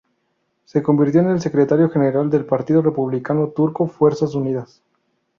Se convirtió en el Secretario General del Partido Republicano Turco-Fuerzas Unidas.